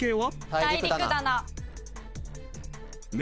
大陸棚。